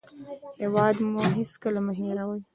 هېواد مو هېڅکله مه هېروئ